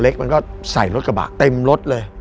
มันก็ใส่รถกระบะเต็มรถเลย